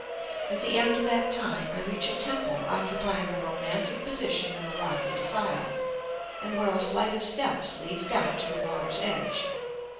At the end of that time I reach a temple occupying a romantic position in a rocky defile, and where a flight of steps leads down to the water's edge.